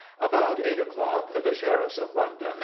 "About 8 o'clock the Sheriffs of London